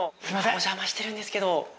お邪魔してるんですけど。